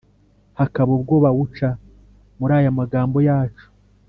hakaba ubwo bawuca muri ayo magambo yacu,